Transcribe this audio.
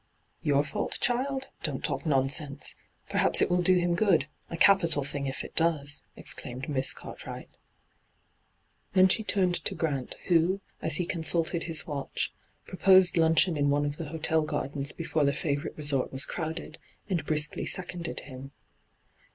'Your fault, child? Don't talk nonsense I Perhaps it will do him good — a capital thing if it does !' exclaimed Miss Cartwright. Then she turned to Grant, who, as he consulted his watch, proposed luncheon in one of the hotel gardens before the favourite resort was crowded, and briskly seconded him.